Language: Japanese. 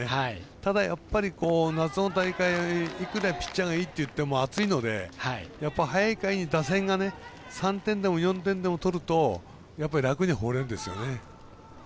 ただやっぱり夏の大会、いくらピッチャーがいいといっても暑いので、早い回に打線が３点でも４点でも取ると楽に放れるんですよね。